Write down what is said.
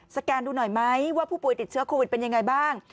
แกนดูหน่อยไหมว่าผู้ป่วยติดเชื้อโควิดเป็นยังไงบ้าง